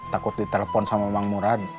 takut ditelepon sama bang murad